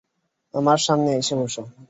আমার সামনে এসে বসো।